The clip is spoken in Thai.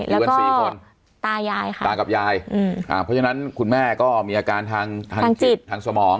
แล้วก็ตายายค่ะตากับยายเพราะฉะนั้นคุณแม่ก็มีอาการทางจิตทางสมอง